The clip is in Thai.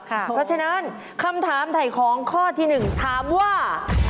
เพราะฉะนั้นคำถามถ่ายของข้อที่๑ถามว่า